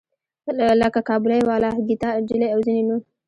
لکه کابلی والا، ګیتا نجلي او ځینې نور.